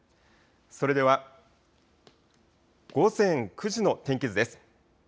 それでは、午前９時の天気図です。